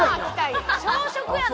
小食やな。